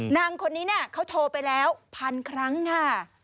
นางคนนี้เขาโทรไปแล้วพันครั้งค่ะ